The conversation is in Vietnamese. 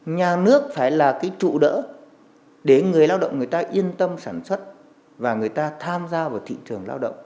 nhà nước phải là cái trụ đỡ để người lao động người ta yên tâm sản xuất và người ta tham gia vào thị trường lao động